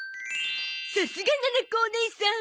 さすがななこおねいさん。